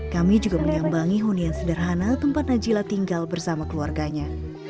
kami juga menyambangi hunian sederhana tempat najila tinggal bersama keluarganya